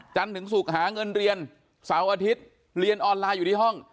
ถึงศุกร์หาเงินเรียนเสาร์อาทิตย์เรียนออนไลน์อยู่ที่ห้อง